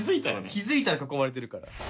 気づいたら囲まれてるから。